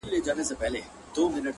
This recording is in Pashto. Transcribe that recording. • له احوال د وطنونو باخبره,